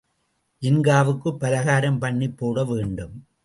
ஜின்காவுக்குப் பலகாரம் பண்ணிப் போட வேண்டும்.